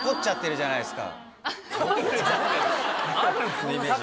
じゃないですか？